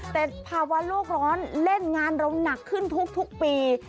แต่ภาวะโลกร้อนเล่นงานเราหนักขึ้นทุกปี